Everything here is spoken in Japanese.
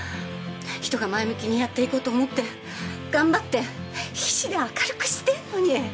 人が前向きにやっていこうと思って頑張って必死で明るくしてるのに。